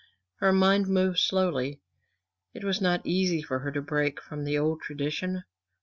Her mind moved slowly. It was not easy for her to break from old tradition.